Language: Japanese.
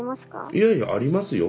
いやいやありますよ。